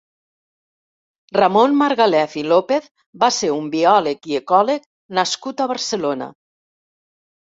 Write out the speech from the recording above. Ramon Margalef i López va ser un biòleg i ecòleg nascut a Barcelona.